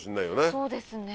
そうですね！